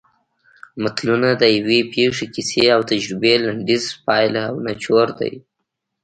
متلونه د یوې پېښې کیسې او تجربې لنډیز پایله او نچوړ دی